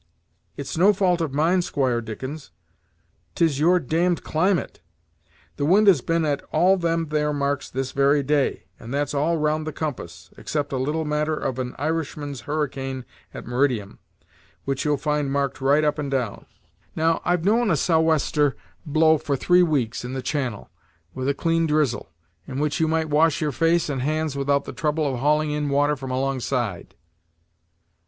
"It's no fault of mine, Squire Dickens; 'tis your d d climate. The wind has been at all them there marks this very day, and that's all round the compass, except a little matter of an Irishman's hurricane at meridium, which you'll find marked right up and down. Now, I've known a sow wester blow for three weeks, in the channel, with a clean drizzle, in which you might wash your face and hands without the trouble of hauling in water from alongside."